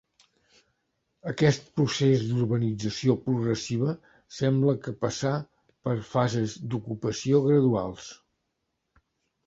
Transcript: Aquest procés d'urbanització progressiva sembla que passà per fases d'ocupació graduals.